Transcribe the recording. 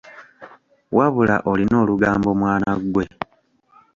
Wabula olina olugambo mwana ggwe.